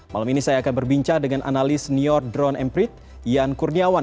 malam ini saya akan berbincang dengan analis new york drone and pryd ian kurniawan